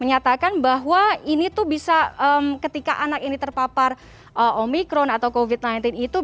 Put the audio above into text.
menyatakan bahwa ini tuh bisa ketika anak ini terpapar omikron atau covid sembilan belas itu